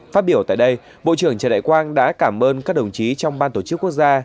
phát biểu tại đây bộ trưởng trần đại quang đã cảm ơn các đồng chí trong ban tổ chức quốc gia